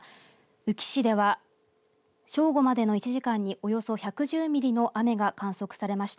宇城市では正午までの１時間におよそ１１０ミリの雨が観測されました。